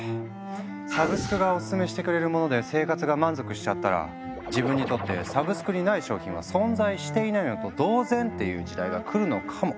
サブスクがオススメしてくれるもので生活が満足しちゃったら自分にとってサブスクにない商品は存在していないのと同然！という時代が来るのかも。